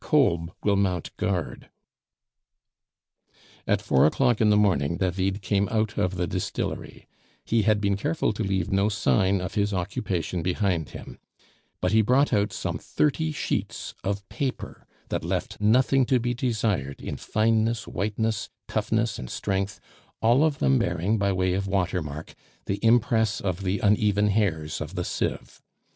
Kolb will mount guard." At four o'clock in the morning David came out of the distillery; he had been careful to leave no sign of his occupation behind him; but he brought out some thirty sheets of paper that left nothing to be desired in fineness, whiteness, toughness, and strength, all of them bearing by way of water mark the impress of the uneven hairs of the sieve.